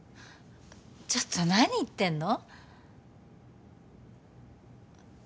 ちょっと何言ってんの？